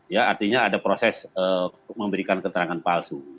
ya artinya ada proses memberikan keterangan palsu